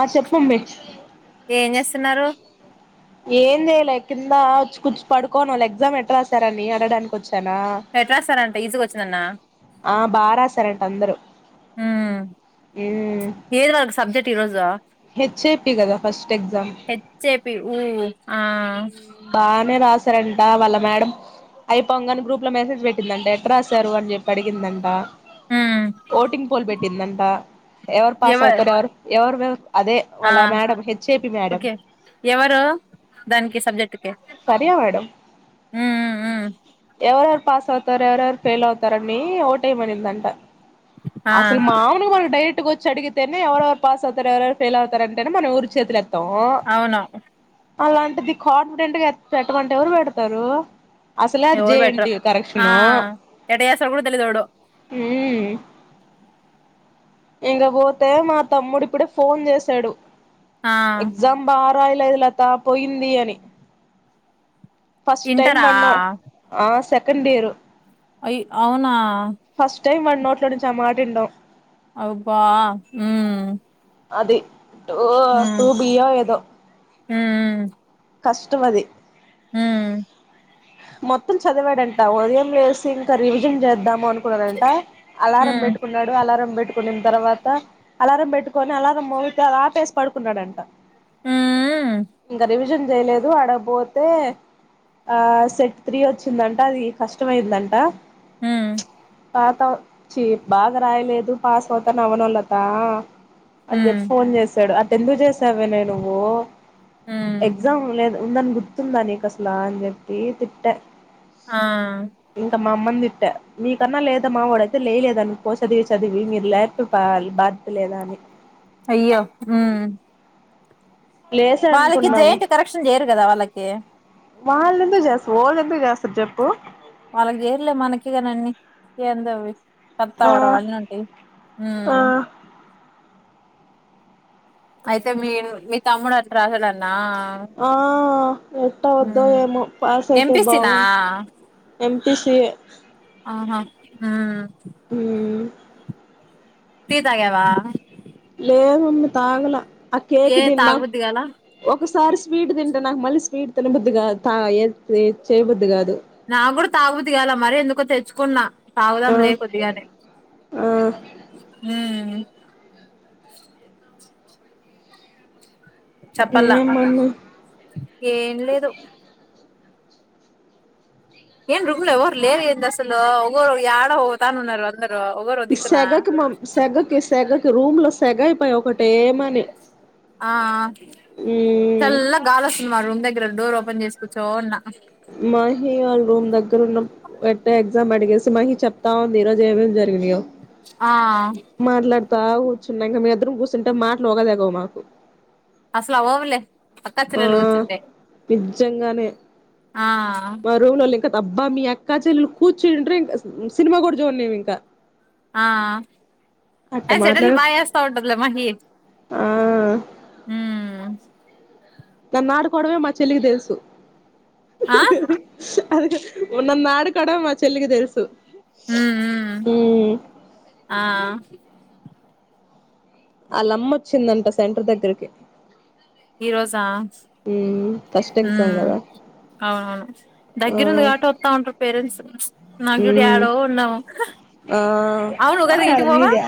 ఆ చెప్పుండి ఏం చేస్తున్నారు ఏం చేయలే కింద వచ్చి కూర్చ పడుకోని వాళ్ళు ఎగ్జామ్ ఎట్రాశారని అడగటానికి కొచ్ ఆ ఎట్ రాస్తారంట ఈజీగా వచ్చిందన్న ఆ బాగారాసారంట అందరు ఉమ్ ఊ ఏది వాళ్ళకి సబ్జెక్ట్ ఈ రోజు హెచ్ ఏ పి కదా ఫస్ట్ ఎగ్జామ్ హెచ్ఏపి ఊ ఆ బాగానే రాశారంట వాళ్ళ మేడం అయిపోంగానే గ్రూప్ లో మెసేజ్ పెట్టిందంట ఎట్ రాశారు అని చెప్పి అడిగిందంట ఉమ్ ఓటింగ్ పోల్ పెట్టిందంట ఎవరు పాస్ అవుతారు ఎవరు పె ఎవరు బెవ్ ఆ ఒకే ఎవరు దానికి సబ్జెక్ట్ కి సరియ మేడం ఉమ్ ఉమ్ ఎవరొ పాస్ అవుతార ఎవరెవరు ఫేల్ అవుతారని ఓట్ వేయమనిందంట ఆ అసలు మామూలుగా మన డైరెక్ట్ ఒ చ్చడిగితేనే ఎవరెవరు పాస్ అవుతారు ఎవరెవరు ఫెయిల్ అవతారంటేనే మనం ఎవరు చేతులు ఎత్ అవును అలాంటిది కాన్ఫిడెట్గా ఎ పెట్టమంటే ఎవరు పెడతారు అసలే అది ఎవరు పెట్టరు జేఎన్టీ ఆ కరెక్షను ఎట్ట చేస్తారో కూడా తెలిదు ఎవడో ఊ ఇంక పోతే మా తమ్ముడు ఇప్పుడే ఫోన్ చేసాడు ఆ ఎగ్జామ్ బా రాయిలేదు లత పోయింది అని ఫస్ట్ టైం ఇంటరా మన్నం ఆ సర్ కందేరు అయి అవునా ఫషు ఇ మ [unintelligible] నోట్లో అడి ఆ మాట అండ అవు అబ్బా మ్మ్ అది ఓ టూ బియా ఏదో ఆ కష్టమది ఆ మొత్తం చదివాడంట ఉదయం లేసి ఇంకా రివిజన్ చేద్దాం అనుకున్నాడంట అలారం ఉమ్ పెట్టుకున్నాడు అలారం పెట్ పెట్టుకున్న తర్వాత అలారం పెట్టుకొని అలారం మోగితే ఆపేసి పడుకున్నాడంట ఉమ్ ఇంకా రివీజెన్ చేయలేదు అడబోతే ఆ సెట్ త్రీ వచ్చిందంట అది కష్టమయిందంట హ్మ్ పాత చీ బాగా రాయలేదు పాస్ అవుతాను అవనలత అని ఉమ్ చెప్పి ఫోన్ చేసాడు అ ఎందు చేసావనే నువ్వు ఉమ్ ఎగ్జామ్ లేదు ఉందని గుర్తుందానిక అసలా అని చెప్పి తి అట్ట ఆ ఏమనితిట్ట నీకన్నా లేదామ్మ వాడయితే లేయిలేదనుకో చదివి చదివి మీరు లేపొద్ద బాధ్యతా లేదా అని అయ్యో ఉ లేసా వాళ్ళకి అనుకున్నాము జెయింటువ్ కరెక్షన్ చేయరు కదా వాళ్ళకి వాళ్ళ ఎందుకు చేస్త ఒళ్ళు ఎందుకు చేస్తారు చెప్పు వాళ్ళకి చేర్లే మనకే కాని అన్నీ ఏందవు ఆ సత్తావర అళ [inaudible] నండి ఆ అయితే మీ మీ తమ్ముడు అట్లా రాసాడన్న ఆ ఎట్ట వద్దో ఏమో పాస్ అయితే ఎంపీసి నా బాగు ఎంపీసీఏ ఆ ఊమ్ మ్మ్ టీ తాగవా మ్మ్ తాగలా ఆ కేక్ ఏ తిన్నా తాగబుద్ది గాల ఒకసారి స్వీట్ తింటే నాకు మళ్ళీ స్వీట్ తినబుద్ది కాదు తా ఏతే చేయబుద్ది గాదు నా కూడా తాగుబుద్ది గాల మరి ఎందుకో తెచ్చుకున్నా తాగుదాం ఆ లే కొద్దిగని ఆ [unintelligible] చెప్పల్లా ఏం మమ్మీ ఏం లేదు ఏమృమ్లోవరు లేరు ఎంద అసలు ఒకరు ఎయాడ ఒతాన్నరు ఈ సెగకు మం సెగకి సెగ రూమ్ లో సెగయిపోయి ఒకటేమనీ ఆ చల్ల గాలొస్తుంది మా రూమ్ దగ్గర డోర్ ఒ పన్ చేసుకుచ్చో ఉన్న మహీ వాళ్ళ రూమ్ దగ్గర ఉన్న పెట్టే ఎగ్జామ్ అడిగేసి మహీ చెప్తా ఉంది ఈరోజు ఏమేమి జరిగినయో ఆ బా కూర్చున్నా ఇంక మీ ఇద్దరుం కూర్చుంటే మాటలు ఒగదెగవు మాకు అసలవవ్ లే అక్క ఆ చెల్లెలు కూర్చుంటే నిజంగానే ఆ మా రూమ్ లోల్లి అబ్బా మీ అక్కా చెల్లెలు కూర్చుంటరూ ఇంక సినిమా కూడా చూడనియం ఇంకా ఆ అట్ట ఏ సెటిల్ మాట్లాడ బా ఏస్తా ఉంటదిలే మహి ఆ నన్ నాడుకోడమే మా చెల్లికి తెల్సు ఆ ఓ నన్నాడుకోడం మా చెల్లికి తెలుసు ఉమ్ మ్మ్ మ్మ్ ఆ అ లమ్మ వచ్చిందంట సెంటర్ దగ్గరికి ఈ రోజా మ్మ్ ఫస్ట్ ఎగ్జామ్ ఊమ్ కదా అవునవును ఆ దగ్గిరుంది కాబట్టి వత్తా ఉంటారు పేరెంట్స్, నాజూడు మ్మ్ యాడో ఉన్నాం ఆ ఆడ మీదా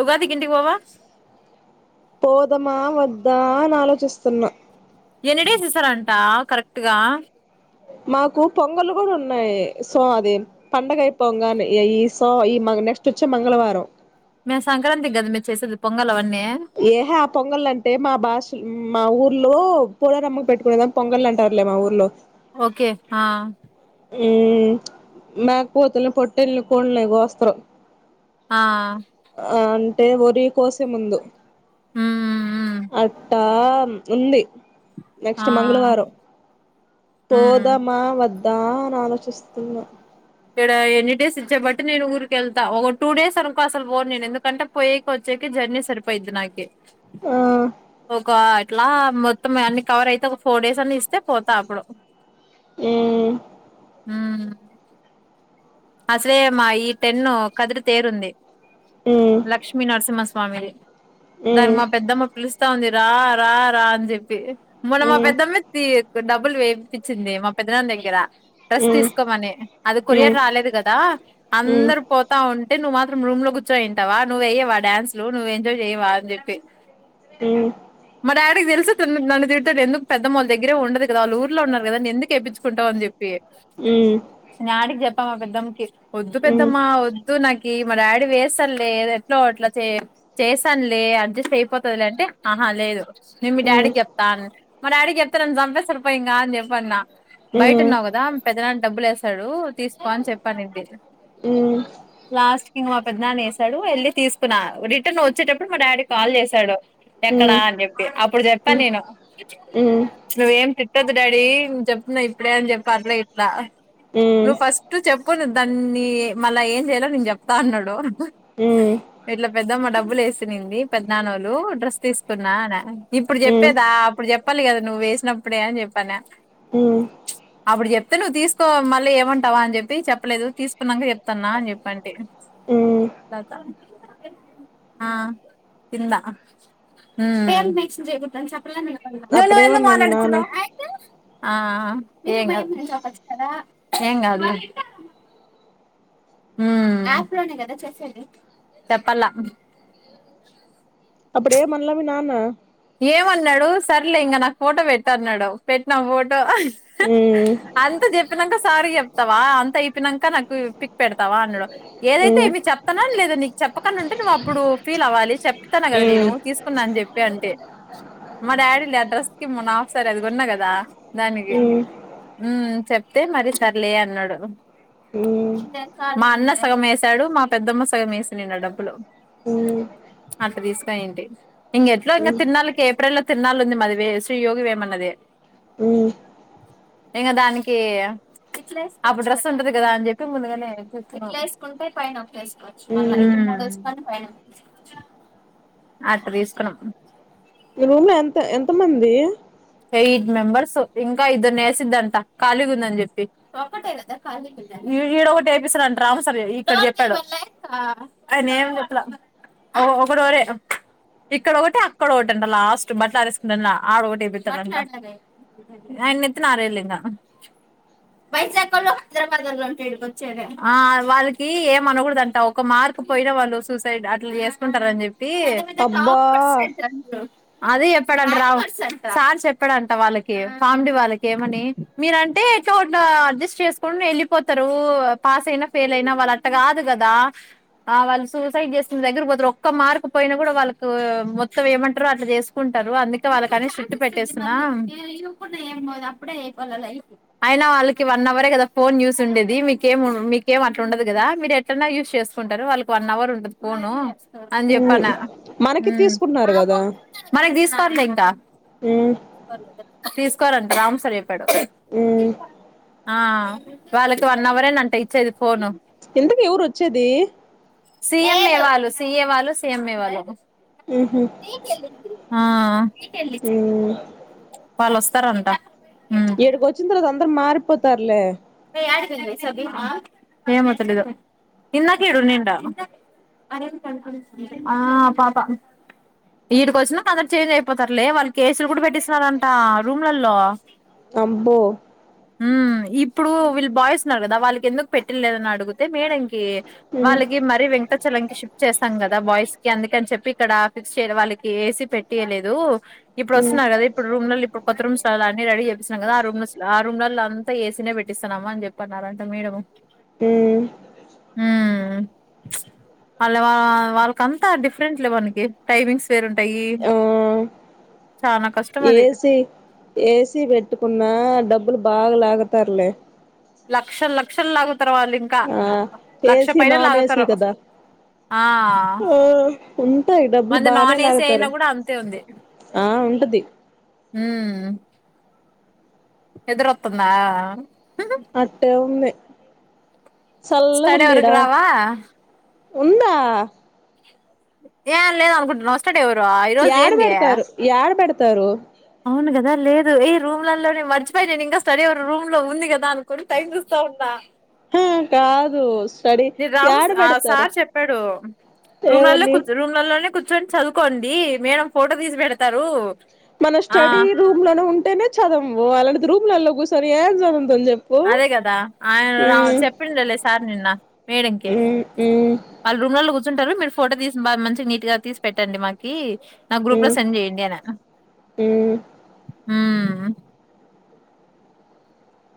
ఉగాది కి ఇంటికి వోవా పోదమా వద్దా అని ఆలోచిస్తున్నా ఎన్ని డేస్ ఇస్తారంటా కరెక్ట్గా మాకు పొంగలు కూడా ఉన్నాయి. సో అది పండగ అయిపొంగానే ఏ ఈ సో ఈ నెక్స్ట్ వచ్చే మంగళవారం మేం సంక్రాంతి కదా మే చేసేది పొంగల్ అవన్నీ ఏహే ఆ పొంగల్ అంటే మా బాషుల్ ఉమ్ మా ఊర్లో పోలేరమ్మ పెట్టుకునేదాం పొంగల్ అంటారులే మా ఊర్లో ఓకే ఆ ఉమ్ మేకపోతుల్ని, పోటెట్ళ్ళని, కోళ్ళనీ, అవి కోస్తారు ఆ.. అంటే ఒరి కోసే ముందు ఉమ్ ఉమ్ ఆట్టా ఆమ్ ఉంది. ఆ నెక్స్ట్ మంగళవారం ఉమ్ పోదమా వద్ దా అని ఆలోచిస్తున్నా ఇక్కడ ఎన్ని డేస్ ఇచ్చే బట్టి నేను ఊరికి వెళ్తా, ఒక టూ డేస్ అనుకో అసలు పోన్ నేను ఎందుకంటే పోయకి వచ్చేకి జర్నీ సరిపోయిద్ది నాకి. ఆ ఒకా ట్ అట్లా మొత్తం అన్ని కవర్ అయితే ఒక ఫోర్ డేస్ అన్ని ఇస్తే పోతా అప్పుడు మ్ మ్ అసలే మా ఈ టెన్ కదిరి తేరుంది మ్మ్ లక్ష్మీ నరసింహమాస్ పామిది దాని మ్మ్ మా పెద్దమ్మ పిలుస్ ఇస్తా ఉంది రా రా రా అని జెప్పి మొన్న మా మ్మ్ పెద్దమ్ ఇత్తి డబ్ డబ్బుల్ వేపిచింది మా పెద్దనాన్న దగ్గర మ్మ్ డ్రస్ మ్మ్ తీసుకోమని అది మ్మ్ మ్మ్ మ్మ్ మ్మ్ మ్మ్ మ్మ్ మ్మ్ మ్మ్ మ్మ్ మ్మ్ కొరియర్ మ్మ్ రాలేదు కదా అందరు పోతా ఉం అంటే నువ్వు మాత్రం రూమ్ లో కూర్చో ఇంటివా, నువేయవ డాన్సు నువ్ ఎంజాయ్ చేయవా అ చెప్పి మ్ మీకు తెలుసు నన్ను తిడతాడు ఎందుకు పెద్దవాళ్ళు దగ్గర ఉండదు. ఆళ్లు ఊర్లో ఉన్నారు కదా ఎందూకుకేపిచూ కుంటావా అని చెప్పి సినడికి చెప్ ఆ [unintelligible] దామ్కి వద్దు పెద్దమ్మా వద్దు నాక్ ఈ మా డాడీ వేస్తాడులే, ఎట్లో అట్లా చే చేస్తానులే అడ్జస్ట్ అయిపోతది లేంటే ఆహ లేదు నిను మీ మ్మ్ డాడీ చెప్తా అను మా డాడీకి చెప్తా నన్ను చంపేస్తడు పోయింగ అని చెప్పఅన్న బయట మ్మ్ ఉన్నవ్ కదా పెదనాన్న డబులువేస్ తాడు తీసుకోని అని చెప్ పనిద్దే బ్లాస్ట్ ఇంగా మా పెద్దనాన్న ఎసాడు వెళ్ళి తీసుకునా రిటర్న్ వచ్చేటప్పుడు మా డాడీ కాల్ చేసాడు ఎక్కడా అని చెప్పి అప్పుడు చెప్పాను నేను నువ్వేం తి పెట్టొద్దు డాడీ నెన్ చెప్తున్నా ఇప్పుడే అని చెప్పా అట్లా చేపిన నువ్వు ఫస్ట్ చెప్ ప్పుడూ దాన్ని మళ్ళా ఏం చేయాలో నేను చెప్తా అన్నాడు ఇట్లా పెద్దమ్మా డబ్ డబ్బులు వేసినింది పెద్ద నానోళ్ళు డ్రస్ తీసుకున్నా అన ఇప్పుడు చెప్పేదా అప్పుడు చెప్ చెప్పాలి కదా నువ్వు వేసినప్పుడే అని చెప్పి అన ఉమ్మ్ అప్పుడు చెప్తే నువ్వు తీసుకోవ్ మళ్ళీ ఏమంటావా అని చెప్పి చెప్ చెప్పలేదు తీసుకున్నాక చెప్తాన్నా అని చెప్పి అంటీ [unintelligible] మ్మ్ దాతా ఆ తిన్ దా హుమ్మ్ నువు నువ్ ఎందుకు అప్పుడేమన్నా మీ నాన్న మాట్లాడిచ్చున్నావ్ ఆ ఏం గాద్ ఏం గాదులే హుమ్మ్ చెప్పాలా అప్పుడేమన్ల గు నాన్న ఏమన్నాడు సర్లే ఇంకా నాకు ఫోటో పెట్టు అన్నాడు పెట్టినా ఫోటో మ్మ్ అంత చెప్పినాక స సారి చెప్తావా అంత అయిపోయినంక నాకు పిక్ పెడతావా అన్నాడు అప్ ఏదైతే మ్మ్ ఏమి చెప్తన్నా లేద్ టే నీకు చెప్పకుండా ఉంటే నువ్వు అప్పుడు ఫీల్ అవ్వాలి చెప్తే చెప్తాన కదా నేను మ్మ్ తీసుకున్నా అని చెప్ తే అంటే మా డాడీ లే అడ్రస్ కి మొన్న హాప్ సారి అది కొన్నా కదా దానికి మ్మ్ హుమ్మ్ చెప్తే మరి సర్లే అన్నాడు మీ మా అన్న సగం ఏసాడు మా పెద్దమ్మ సగం వేసింది డబ్బులు అట్ట తీసుకోపోయిఉంటి ఇంగ ఎట్లో ఇంకా తిన్నాలకి ఏప్రిల్ లో తిన్నాలు ఉంది మాది వే శ్రీయోగి వేమన్నది ఇగ దానికి అప్పుడు డ్రెస్ ఉంటుంది కదా అని చెప్పి ముందుగానే అట్ట తీసుకున్నాం మీ రూమ్ లో ఎంత ఎంత మంది ఎయిట్ మెంబర్స్ ఇంకా ఇద్దరునీ ఏసిద్దంట ఖాళీ ఉందని చెప్పి ఈడ ఒకటి వేపిస్తాడంట ఒకసార్ ఇక్కడ చెప్పాడు ఆయన ఏం చెప్పలా ఒకోర ఇక్కడ ఒకటి అక్కడ ఒకటంట లాస్ట్ బట్టల్ ఆరేసుకుంటల ఆడ ఒకటి ఏపీ ఆయన్ నెత్తిన అరెయలెంగా ఆ వాళ్ళకీ ఏం అనాకూడదంట ఒక మార్క్ పోయిన వాళ్ళు సూసైడ్ అట్లా చేసుకుంటారని చెప్పి తి అబ్బా అది ఎప్పడన్నా రావచ్ సార్ సార్ చెప్పాడంట వాళ్ళకి పావని వాళ్ళకి ఏమని మీరంటే ఎటో అట్లా అడ్జస్ట్ చేసుకుని వెళ్ళిపోతారు పాస్ అయినా ఫెయిల్ అయినా వాళ్ళు అట్ట కాదు కదా ఆ వాళ్ళు సూసైడ్ చేసుకునే దగ్గర పోతరు ఒక్క మార్కు పోయినా కూడా వాళ్ళకి మొత్తం ఏమంటారు అట్లా చేసుకుంటారు అందుకే వాళ్ళ కానే పెట్టి పెట్టేస్తున్న అయినా వాళ్ళకి వన్ అవరే కదా ఫోన్ యూస్ ఉండేది మీకేం మీకేం అట్లా ఉండదు కదా మీరు ఎట్టాన్న యూస్ చేసుకుంటారు వాళ్ళకు వన్ అవర్ ఉంటది ఫోను అని చెప్పాన్న మనకి హుమ్మ్ తీసుకుంటున్నారు కదా మనది తీసుకోర్లే ఇంకా హుమ్మ్ తీసుకోవారంట రామ్ సార్ చెప్పాడు ఆ వాళ్ళకి వన్ అవర్ ఏ అంట ఇచ్చేది ఫోను ఇంతకు ఎవరు వచ్చేది సీఎంఏ వాళ్ళు సీఏ వాళ్ళు సీఎంఏ వాళ్ళు ఆహ ఆ [unintelligible] ఇతే ల్ ఇచ్చి వాళ్ళు వస్తారంట ఉమ్ ఎడికి వచ్చిన తర్వాత అ మారిపోతారులే ఏమో తెలీదు ఇందక ఈడ ఉండి ఉండే పాప ఈడికి వచ్చినాక అందరు చేంజ్ అయిపోతారులే వాళ్ళు కేసులు కూడా పెట్టిస్తున్నారంట రూమ్లలో అబ్బో విల్ బాయ్స్ న్నారు కదా వాళ్ళకి ఎందుకు పెట్టిలేదని అడుగుతే మేడం వాళ్ళకి మరి వెంకటచలం షిఫ్ట్ చేస్తాం కదా బాయ్స్ కి అందుక అని చెప్పి ఇక్కడ ఫిక్స్ చేయ వాళ్ళకి ఏసీ పెట్టయలేదు ఇప్పుడు వస్తున్నారు కదా ఇప్పుడు రూమ్ల ఇప్పుడు కొత్త రూమ్స్ అన్ని రెడీ చేపిస్తున్నాం కదా ఆ రూమ్ ఆ రూమ్లలో అంతా ఏసీ న పెట్టి డిస్తన్నమా అని చెప్ప అన్నారంట మేడం హ్మ్మ్ వాళ్ళ వాళ్ళకంతా డిఫరెంట్ లే వానికి టైమింగ్స్ వేరుంటాయి. చానా కష్టం అది ఏసి ఏసీ పెట్టుకున్న డబ్బులు బాగాలాగతర్లే లక్షల్ లక్షల్లాగు ఆ ఏసి నాన్ ఏసి లాగుతారు కదా ఆ ఉంటాయి డబ్బులు మంది బానే నాన్ ఏసీ అయినా లాగుతారు కూడా అంతే ఉంది ఆ ఉ టది హ్మ్ నిదర వత్తుందా అట్టే ఉంది చల్లగా స్టడీ అవర్ ఉందిడా కిరావా ఉందా ఏం లేదు అనుకుంటున్నావ యాడ బెడతారు యాడ బెడ తరు అవును కదా లేదు ఈ రూమ్లలోనే మర్చిపోయా నేను ఇంకా స్టడీ రూమ్ లో ఉంది కదా దనుకుని టైం చూస్తా ఉన్నా హా కాదు స్టడీ నను రాము యాడ ఆ పెడతారు సార్ చెప్పాడు రూమ్లలో ఎవరిని కూ రూమ్లలోనే కూ కూర్చోని చదువుకోండి మేడం ఫోటో తీసి పెడతారు మనం ఆ స్టడీ రూమ్ లోనే ఉంటేనే చదవము అలాంటిది రూమ్లలో కూర్చోని ఏం చదువుతాం చెప్ అదే కదా ఆయన చెప్పిండ లే సార్ నిన్న మేడంకి ఉమ్ ఉమ్ వాళ్ళు రూమ్ లలో కూర్ చర్ంటారు మీరు ఫోటో తీసి బా మంచి నీట్ గా తీసి పెట్టండి మాకి నా గ్రూప్ లో ఉమ్ సెండ్ చెయ్యండి అనా ఉమ్ హ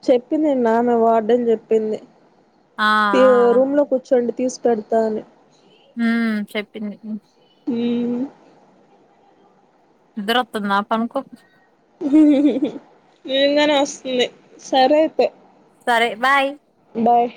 చెప్పింది మా వార్డెన్ చెప్పింది ఆ ఆ రూమ్ లో కూర్చోండి తీసుపెడతాను హ చెప్పింది ఈ నిద్దరొతుందా పనుకో నిజంగానే వస్తుంది సరే అయితే సరే బాయ్ బాయ్